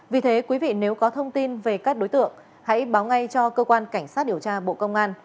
vì thế quý vị nếu có thông tin về các đối tượng hãy báo ngay cho cơ quan cảnh sát điều tra bộ công an